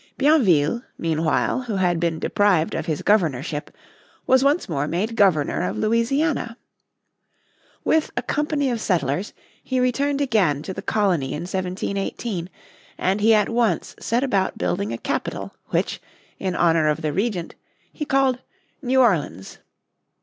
Bienville, meanwhile, who had been deprived of his governorship, was once more made Governor of Louisiana. With a company of settlers, he returned again to the colony in 1718, and he at once set about building a capital, which, in honour of the Regent, he called New Orleans.